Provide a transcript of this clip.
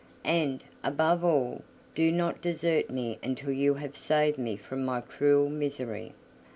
And, above all, do not desert me until you have saved me from my cruel misery."